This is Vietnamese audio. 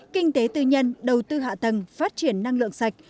kinh tế tư nhân đầu tư hạ tầng phát triển năng lượng sạch